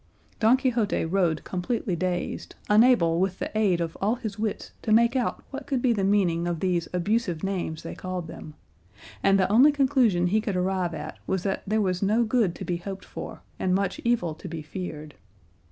Don Quixote rode completely dazed, unable with the aid of all his wits to make out what could be the meaning of these abusive names they called them, and the only conclusion he could arrive at was that there was no good to be hoped for and much evil to be feared.